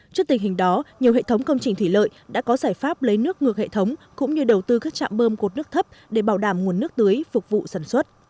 trước tình hình đó nhiều hệ thống công trình thủy lợi đã có giải pháp lấy nước ngược hệ thống cũng như đầu tư các trạm bơm cột nước thấp để bảo đảm nguồn nước tưới phục vụ sản xuất